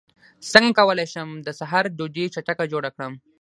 څنګه کولی شم د سحر ډوډۍ چټکه جوړه کړم